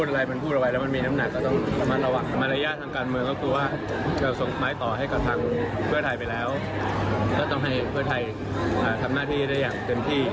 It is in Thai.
ให้พักเพื่อไทยทำหน้าที่อย่างเต็มที่